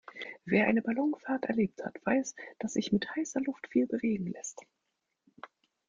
Wer eine Ballonfahrt erlebt hat, weiß, dass sich mit heißer Luft viel bewegen lässt.